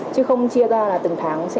chứ không chia ra là từng tháng sẽ